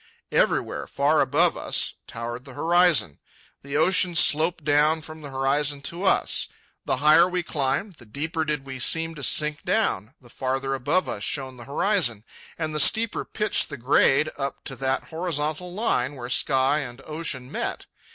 Everywhere, far above us, towered the horizon. The ocean sloped down from the horizon to us. The higher we climbed, the deeper did we seem to sink down, the farther above us shone the horizon, and the steeper pitched the grade up to that horizontal line where sky and ocean met.